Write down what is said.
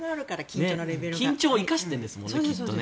緊張を生かしているんですもんねきっとね。